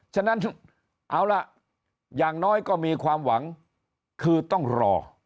ฉะนั้นเอาล่ะอย่างน้อยก็มีความหวังคือต้องรอ